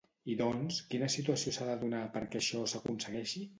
I doncs, quina situació s'ha de donar perquè això s'aconsegueixi?